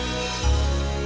panti asuhan mutiara bunda